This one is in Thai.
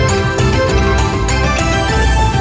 โปรดติดตามตอนต่อไป